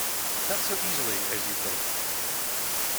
Not so easily as you think.